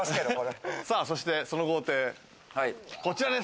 そしてその豪邸、こちらです。